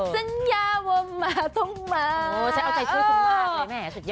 สัญญาว่ามาต้องมาโอ้ฉันเอาใจช่วยคุณมากเลยแม่สุดยอด